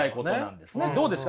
どうですか？